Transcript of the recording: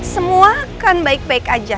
semua kan baik baik aja